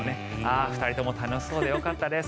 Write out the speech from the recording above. ２人とも楽しそうでよかったです。